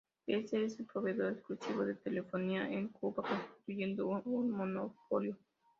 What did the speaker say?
Ese el proveedor exclusivo de telefonía en Cuba, constituyendo un monopolio.